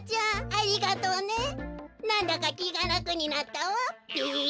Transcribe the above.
ありがとうねなんだかきがらくになったわべ。